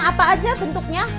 ada uang apa aja bentuknya